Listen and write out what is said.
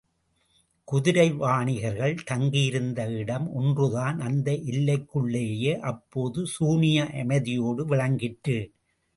குதிரை வாணிகர்கள் தங்கியிருந்த இடம் ஒன்றுதான் அந்த எல்லைக்குள்ளேயே அப்போது சூனிய அமைதியோடு விளங்கிற்று.